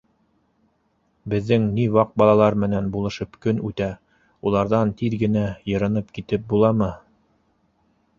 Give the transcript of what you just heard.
Беҙҙең ни ваҡ балалар менән булашып көн үтә, уларҙан тиҙ генә йырынып китеп буламы.